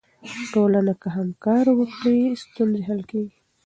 ټولنه که همکاري وکړي، ستونزې حل کیږي.